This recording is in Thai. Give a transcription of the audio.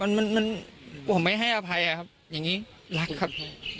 มันมันผมไม่ให้อภัยอ่ะครับอย่างนี้รักครับ